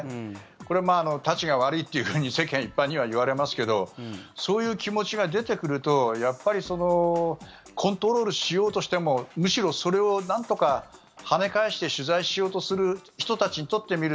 これはまあたちが悪いっていうふうに世間一般にはいわれますけどそういう気持ちが出てくるとコントロールしようとしてもむしろそれをなんとか跳ね返して取材しようとする人たちにとってみる